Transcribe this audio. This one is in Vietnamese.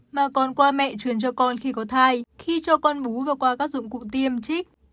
mà còn qua mẹ truyền cho con khi có thai khi cho con bú và qua các dụng cụ tiêm chip